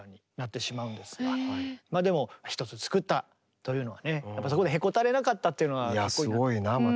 でも１つ作ったというのはねそこでへこたれなかったっていうのはかっこいいなと。